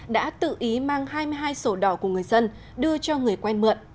đã tự ý mang hai mươi hai sổ đỏ của người dân đưa cho người quen mượn